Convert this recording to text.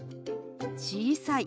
「小さい」。